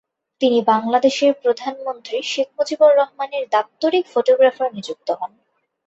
তিনি বাংলাদেশের প্রধানমন্ত্রী শেখ মুজিবুর রহমানের দাপ্তরিক ফটোগ্রাফার নিযুক্ত হন।